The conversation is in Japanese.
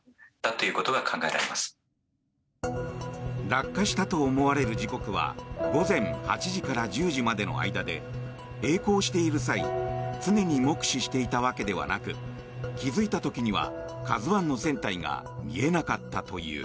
落下したと思われる時刻は午前８時から１０時までの間でえい航している際常に目視していたわけではなく気付いた時には「ＫＡＺＵ１」の船体が見えなかったという。